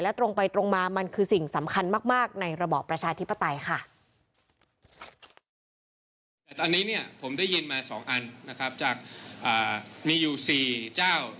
ตรงไปตรงมามันคือสิ่งสำคัญมากในระบอบประชาธิปไตยค่ะ